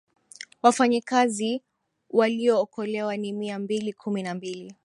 wafanyakazi waliyookolewa ni mia mbili kumi na mbili